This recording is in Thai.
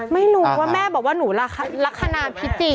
ไม่รู้ว่าแม่บอกว่าหนูลักษณะพิจิ